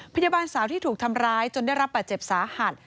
พยาบาลสาวที่ถูกทำร้ายจนได้รับบาดเจ็บสาหัส